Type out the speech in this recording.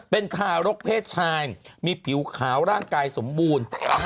เป็นทารกเพศชายมีผิวขาวร่างกายสมบูรณ์